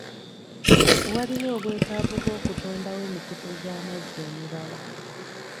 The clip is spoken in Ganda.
Waliwo obwetaavu bw'okutondawo emikutu gy'amazzi emirala.